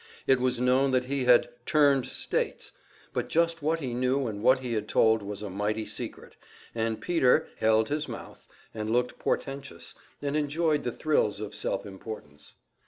It was known that he had "turned State's"; but just what he knew and what he had told was a mighty secret, and Peter "held his mouth" and looked portentous, and enjoyed thrills of self importance.